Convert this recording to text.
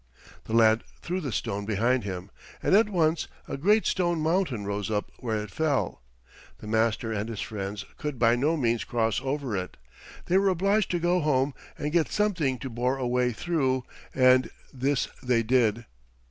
The lad threw the stone behind him, and at once a great stone mountain rose up where it fell. The Master and his friends could by no means cross over it. They were obliged to go home and get something to bore a way through, and this they did.